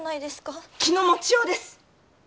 気の持ちようです！